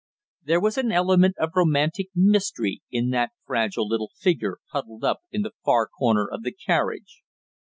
There was an element of romantic mystery in that fragile little figure huddled up in the far corner of the carriage.